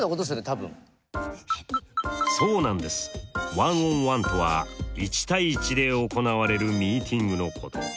１ｏｎ１とは１対１で行われるミーティングのこと。